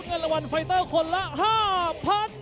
เงินรางวัลไฟเตอร์คนละ๕๐๐๐บาท